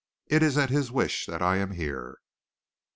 It is at his wish that I am here."